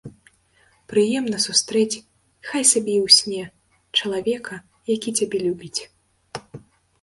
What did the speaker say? Прыемна сустрэць, хай сабе і ў сне, чалавека, які цябе любіць.